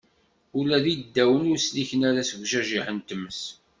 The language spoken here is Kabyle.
Ula d iddawen ur sliken ara seg ujajiḥ n tmes